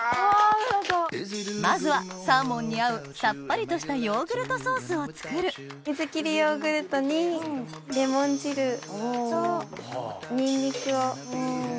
まずはサーモンに合うさっぱりとしたヨーグルトソースを作る水切りヨーグルトにレモン汁とニンニクを。